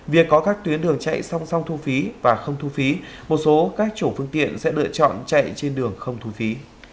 việc có các tuyến đường chạy song song thu phí và không thu phí một số các chủ phương tiện sẽ lựa chọn chạy trên đường không thu phí